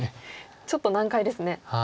ちょっと難解ですね。